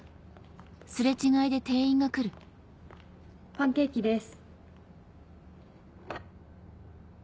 パンケーキです。